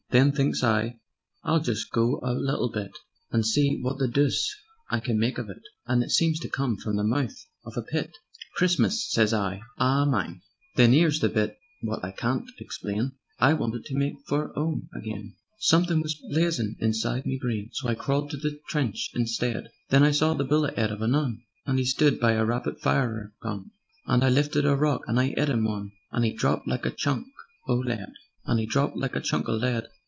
Then thinks I: 'I'll just go a little bit, And see wot the doose I can make of it,' And it seemed to come from the mouth of a pit: 'Christmas!' sez I, 'a MINE.' "Then 'ere's the part wot I can't explain: I wanted to make for 'ome again, But somethin' was blazin' inside me brain, So I crawled to the trench instead; Then I saw the bullet 'ead of a 'Un, And 'e stood by a rapid firer gun, And I lifted a rock and I 'it 'im one, And 'e dropped like a chunk o' lead.